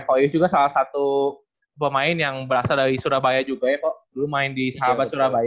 koius juga salah satu pemain yang berasal dari surabaya juga ya kok dulu main di sahabat surabaya